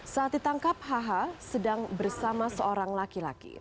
saat ditangkap hh sedang bersama seorang laki laki